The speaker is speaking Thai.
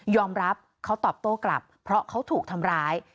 อมรับเขาตอบโต้กลับเพราะเขาถูกทำร้าย